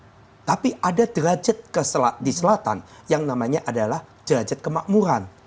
hai tapi ada derajat keselak di selatan yang namanya adalah derajat kemakmuran